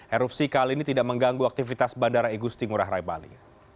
erupsi kali ini tidak mengganggu aktivitas bandara igusti ngurah rai bali